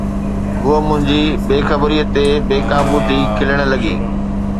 هوءَ منهنجي بي خبريءَ تي بي قابو ٿي کلڻ لڳي.